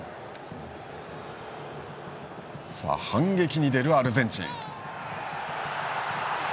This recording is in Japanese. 反撃に出るアルゼンチン。